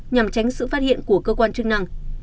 nhằm tránh sự phát hiện của cơ quan chức năng